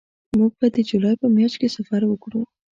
موږ به د جولای په میاشت کې سفر وکړو